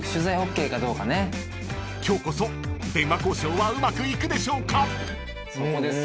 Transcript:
［今日こそ電話交渉はうまくいくでしょうか？］